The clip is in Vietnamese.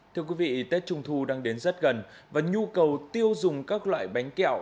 thưa quý vị tết trung thu đang đến rất gần và nhu cầu tiêu dùng các loại bánh kẹo